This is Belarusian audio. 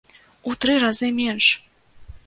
У тры разы менш!